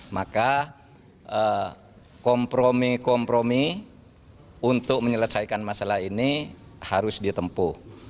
maka kompromi kompromi untuk menyelesaikan masalah ini harus ditempuh